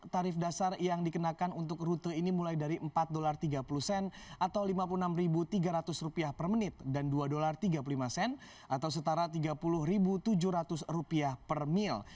tarif dasar yang dikenakan untuk rute ini mulai dari rp empat tiga puluh sen atau rp lima puluh enam tiga ratus per menit dan rp dua tiga puluh lima sen atau setara rp tiga puluh tujuh ratus per mil